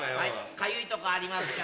かゆいとこありますか？